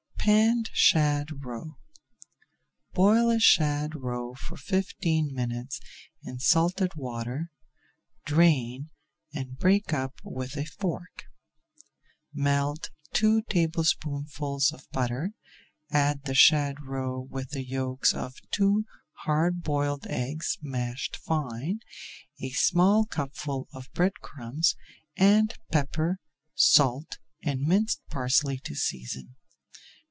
PANNED SHAD ROE Boil a shad roe for fifteen minutes in salted water, drain, and break up with a fork. Melt two tablespoonfuls of butter, add the [Page 351] shad roe with the yolks of two hard boiled eggs mashed fine, a small cupful of bread crumbs, and pepper, salt, and minced parsley to season.